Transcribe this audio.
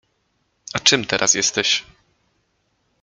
A czym teraz jesteś?